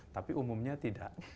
tapi umumnya tidak